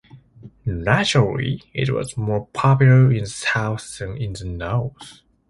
Naturally, it was more popular in the South than in the North.